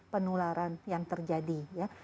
penularan yang terjadi ya